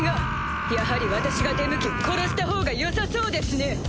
やはり私が出向き殺したほうがよさそうですね！